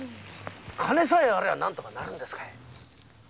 金さえあれば何とかなるんですかい？